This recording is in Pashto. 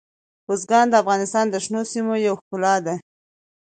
بزګان د افغانستان د شنو سیمو یوه ښکلا ده.